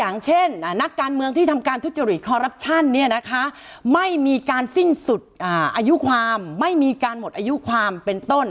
นะคะไม่มีการสิ้นสุดอ่าอายุความไม่มีการหมดอายุความเป็นต้น